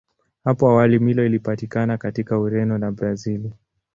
Hapo awali Milo ilipatikana katika Ureno na Brazili.